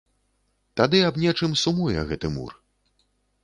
Тады аб нечым сумуе гэты мур.